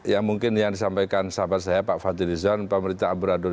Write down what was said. ya mungkin yang disampaikan sahabat saya pak fadli rizwan pak merita abu radul